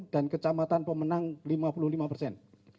dan kecamatan pemenang lima puluh lima persen